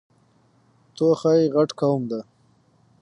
توخی غټ قوم ده.